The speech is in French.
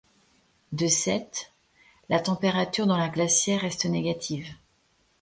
De cette, la température dans la glacière reste négative.